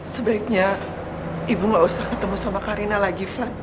sebaiknya ibu gak usah ketemu sama karina lagi flat